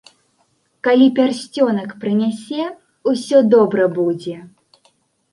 Калі пярсцёнак прынясе, усё добра будзе!